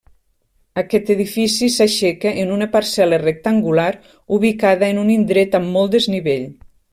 Aquest edifici s'aixeca en una parcel·la rectangular ubicada en un indret amb molt desnivell.